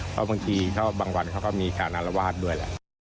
เพราะบางทีก็บางวันเขาก็มีการอารวาสด้วยแหละ